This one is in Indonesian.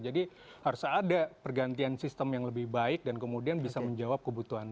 jadi harus ada pergantian sistem yang lebih baik dan kemudian bisa menjawab kebutuhan